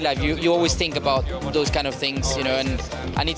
kamu selalu berpikir tentang hal hal seperti itu